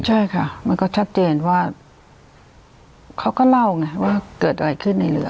ใช่ค่ะมันก็ชัดเจนว่าเขาก็เล่าไงว่าเกิดอะไรขึ้นในเรือ